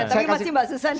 tapi masih mbak susan